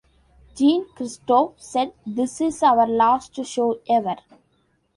Jean-Christophe said "This is our last show ever".